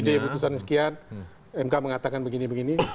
d putusan sekian mk mengatakan begini begini